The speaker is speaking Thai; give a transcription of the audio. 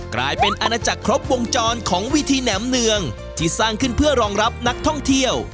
กลายเป็นอาณาจักรครบวงจรของวิธีแหนมเนืองที่สร้างขึ้นเพื่อรองรับนักท่องเที่ยว